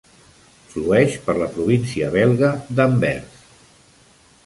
Flueix per la província belga d'Anvers.